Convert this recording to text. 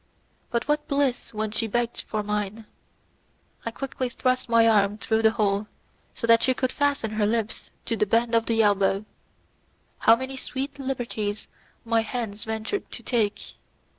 But what bliss when she begged for mine! I quickly thrust my arm through the hole, so that she could fasten her lips to the bend of the elbow. How many sweet liberties my hand ventured to take!